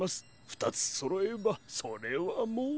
ふたつそろえばそれはもう。